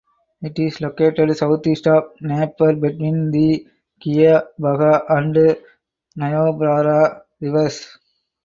It is located southeast of Naper between the Keya Paha and Niobrara Rivers.